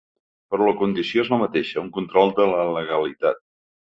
Però la condició és la mateixa, un control de la legalitat.